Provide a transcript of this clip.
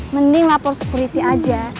mending lapor security aja